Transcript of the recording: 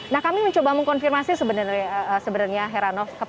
nah kami mencoba mengkonfirmasi sebenarnya heranov